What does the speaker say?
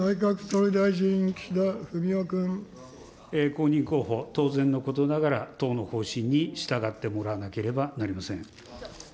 公認候補、当然のことながら、党の方針に従ってもらわなければなりません。